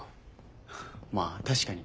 まあ確かに。